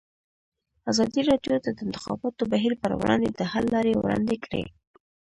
ازادي راډیو د د انتخاباتو بهیر پر وړاندې د حل لارې وړاندې کړي.